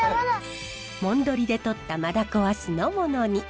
もんどりでとったマダコは酢の物に。